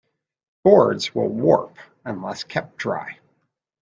Boards will warp unless kept dry.